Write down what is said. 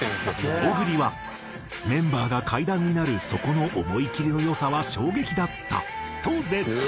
Ｏｇｕｒｉは「メンバーが階段になるそこの思い切りの良さは衝撃だった」と絶賛！